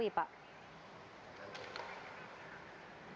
jadi penyebab tenggelamnya kapal ini belum diketahui